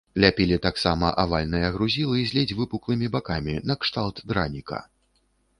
Ляпілі таксама авальныя грузілы з ледзь выпуклымі бакамі накшталт драніка.